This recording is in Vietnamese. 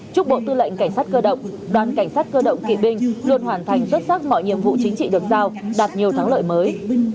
chúc bộ tư lệnh cảnh sát cơ động đoàn cảnh sát cơ động kỵ binh luôn hoàn thành xuất sắc mọi nhiệm vụ chính trị được giao đạt nhiều thắng lợi mới